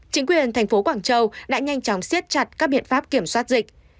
chính quyền thành phố quảng châu đã nhanh chóng siết chặt các biện pháp kiểm soát dịch